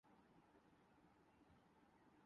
گویا ماضی، حال اور مستقبل سے وابستہ ہو جاتا ہے۔